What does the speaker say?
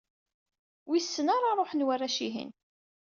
Wissen ara ṛuḥen warrac-ihin.